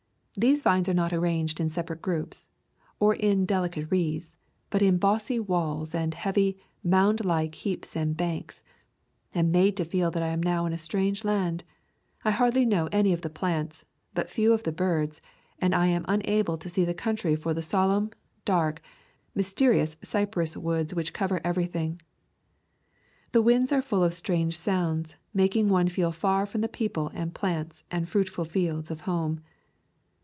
These vines are not arranged in separate groups, or in deli cate wreaths, but in bossy walls and heavy, mound like heaps and banks. Am made to feel that I am now in a strange land. I know hardly any of the plants, but few of the birds, and I am unable to see the country for the solemn, dark, mysterious cypress woods which cover everything. The winds are full of strange sounds, making one feel far from the people and plants and fruit ful fields of home.